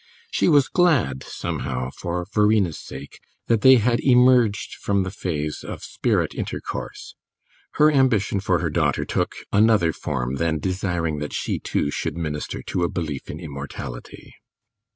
She was glad, somehow, for Verena's sake, that they had emerged from the phase of spirit intercourse; her ambition for her daughter took another form than desiring that she, too, should minister to a belief in immortality.